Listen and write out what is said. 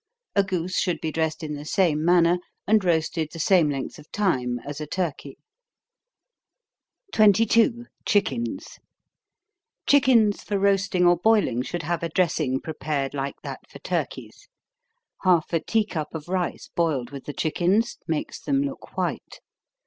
A goose should be dressed in the same manner, and roasted the same length of time as a turkey. 22. Chickens. Chickens for roasting or boiling should have a dressing prepared like that for turkies. Half a tea cup of rice boiled with the chickens makes them look white.